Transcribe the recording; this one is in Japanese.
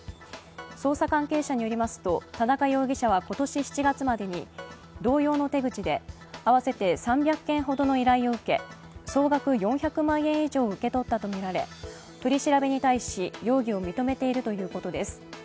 捜査関係者によりますと田中容疑者は今年７月までに同様の手口で合わせて３００件ほどの依頼を受け依頼を受け、総額４００万絵に上を受け取ったと見て取り調べに対し、容疑を認めているということです。